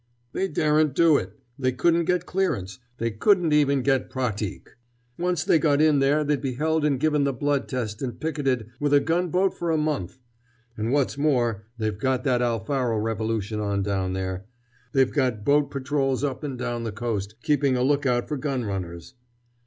"They daren't do it! They couldn't get clearance—they couldn't even get pratique! Once they got in there they'd be held and given the blood test and picketed with a gunboat for a month! And what's more, they've got that Alfaro revolution on down there! They've got boat patrols up and down the coast, keeping a lookout for gun runners!"